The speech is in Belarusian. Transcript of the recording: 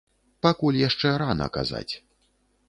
Пакуль яшчэ рана казаць.